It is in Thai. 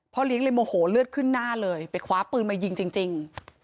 เลี้ยงเลยโมโหเลือดขึ้นหน้าเลยไปคว้าปืนมายิงจริง